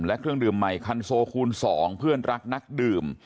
และเครื่องดื่มใหม่คันโซคูณ๒เพื่อนรักนักดื่ม